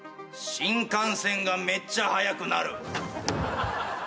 新幹線がめっちゃ速くなる。